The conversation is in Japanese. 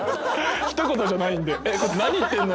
ひと言じゃないんでえっこいつ何言ってるの？